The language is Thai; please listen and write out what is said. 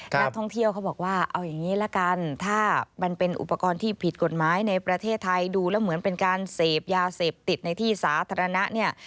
นักท่องเที่ยวเขาบอกว่าเอาอย่างนี้ละกันถ้ามันเป็นอุปกรณ์ที่ผิดกฎหมายในประเทศไทยดูแล้วเหมือนเป็นการเสพยาเสพติดในที่สาธารณะเนี่ย